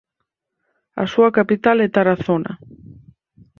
A súa capital é Tarazona.